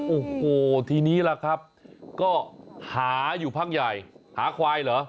โอ้โหทีนี้ล่ะครับก็หาอยู่พักใหญ่หาควายเหรอ